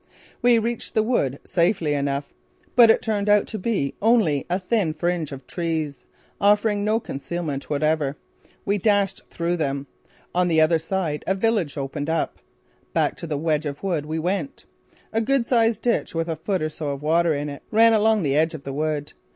We reached the wood safely enough, but it turned out to be only a thin fringe of trees, offering no concealment whatever. We dashed through them. On the other side a village opened up. Back to the wedge of wood we went. A good sized ditch with a foot or so of water in it ran along the edge of the wood.